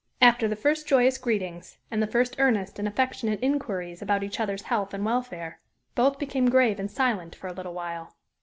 After the first joyous greetings, and the first earnest and affectionate inquiries about each other's health and welfare, both became grave and silent for a little while.